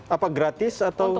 apa gratis atau